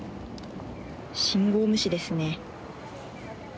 信号無視ですね。